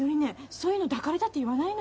そういうの抱かれたって言わないのよ。